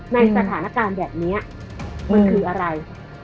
ในสถานการณ์แบบนี้มันคืออะไร